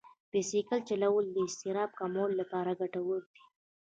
بایسکل چلول د اضطراب کمولو لپاره ګټور دي.